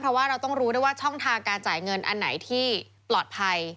เพราะว่าเราต้องรู้ด้วยว่าช่องทางการจ่ายเงินอันไหนที่ปลอดภัย